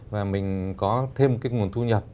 và mình có thêm cái nguồn thu nhật